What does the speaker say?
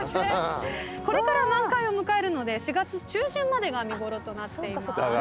これから満開を迎えるので４月中旬までが見頃となっています。